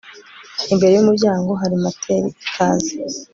Imbere yumuryango hari matel ikaze